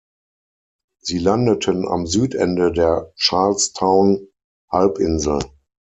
Sie landeten am Südende der Charlestown-Halbinsel.